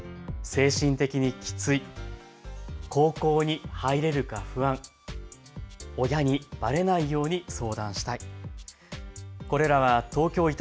精神的にきつい、高校に入れるか不安、親にばれないように相談したい。